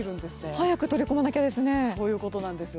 早く取り込まなきゃですね。